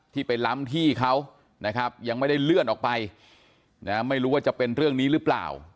ที่ไปล้ำที่เขานะครับยังไม่ได้เลื่อนออกไปไม่รู้ว่าจะเป็นเรื่องนี้หรือเปล่า